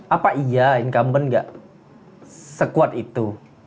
apa iya income bank gak sekuat itu